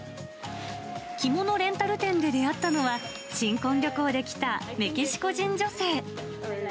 着物レンタル店で出会ったのは、新婚旅行で来たメキシコ人女性。